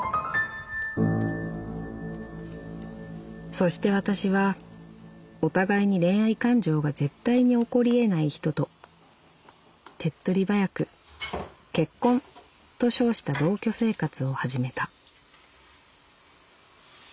「そして私はお互いに恋愛感情が絶対に起こりえない人と手っ取り早く『結婚』と称した同居生活を始めた」。